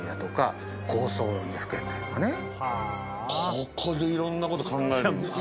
ここでいろんなこと考えるんですか。